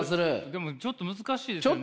でもちょっと難しいですよね。